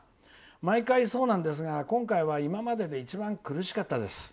毎回そうなんですが今回は今までで一番苦しかったです。